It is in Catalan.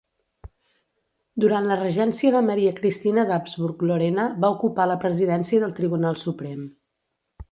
Durant la regència de Maria Cristina d'Habsburg-Lorena va ocupar la presidència del Tribunal Suprem.